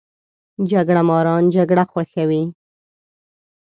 جګړه ماران جګړه خوښوي